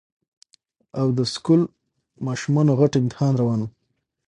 او د سکول ماشومانو غټ امتحان روان وو